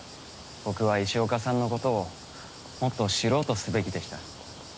僕は石岡さんのことをもっと知ろうとすべきでした。